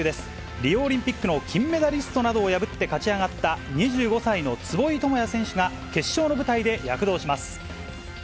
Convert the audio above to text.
リオオリンピックの金メダリストなどを破って勝ち上がった２５歳の坪井智也選手が、決勝の舞台で躍動します。